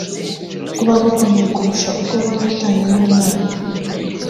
kuba bukomeye kurusha ubwo wari u tanye n umwana